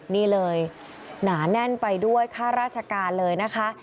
นี่เลยหนาแน่นไปด้วยค่าราชการเลยนะคะ